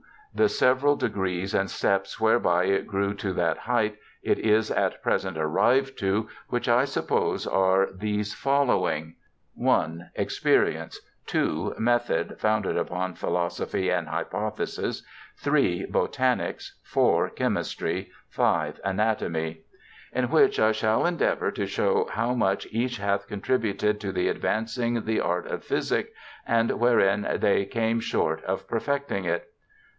The several degrees and steps whereby it grew to that height it is at present arrived to, which I suppose are these following : (i) experience ; (2) method, founded upon philosophy and hypothesis; (3) botanies; (4) chymistry; (5) anatomy; in all which I shall endeavour to show how much each hath contributed to the advancing the art of physic, and wherein they came short of perfecting it.